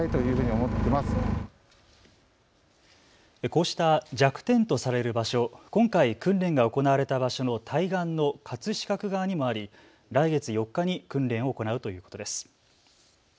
こうした弱点とされる場所、今回訓練が行われた場所の対岸の葛飾区側にもあり来月４日に訓練を行うということです。